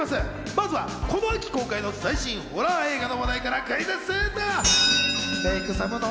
まずはこの秋公開の最新ホラー映画の話題からクイズッスっと！